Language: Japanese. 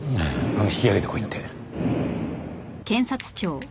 引き揚げてこいって。